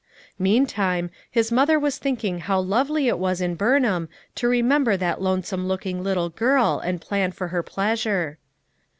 Meantime, Ms mother was thinking how lovely it was in Burnham to remember that lonesome looking little girl and plan for her pleasure.